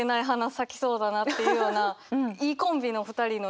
咲きそうだなっていうようないいコンビの２人のイメージが湧きました。